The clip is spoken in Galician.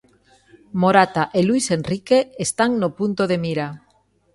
Morata e Luís Enrique están no punto de mira.